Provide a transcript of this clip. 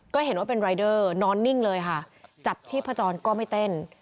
ก็เห็นว่าเป็นรายเดอร์นอนนิ่งเลยค่ะจับชีพจรก็ไม่เต้น